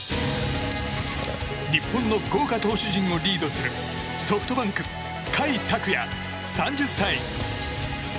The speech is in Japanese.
日本の豪華投手陣をリードするソフトバンク甲斐拓也、３０歳。